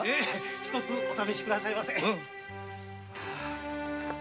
一つお試し下さいませ。